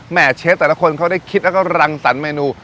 เชฟแต่ละคนเขาได้คิดแล้วก็รังสรรคเมนู